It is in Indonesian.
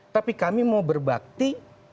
tapi kami mau berbakti